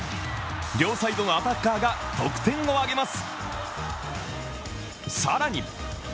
両サイドのアタッカーが得点を挙げます。